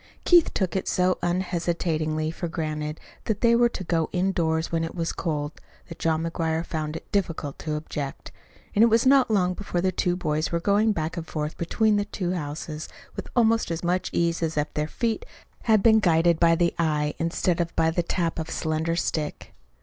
Keith took it so unhesitatingly for granted that they were to go indoors when it was cold that John McGuire found it difficult to object; and it was not long before the two boys were going back and forth between the two houses with almost as much ease as if their feet had been guided by the eye instead of by the tap of a slender stick.